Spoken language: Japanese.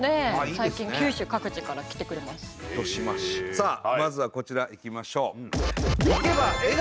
さあまずはこちらいきましょう。